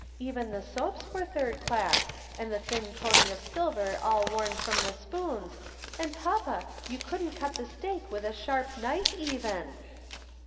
Even the soaps were third class, and the thin coating of silver all worn from the spoons, and papa, you couldn't cut the steak with a sharp knife even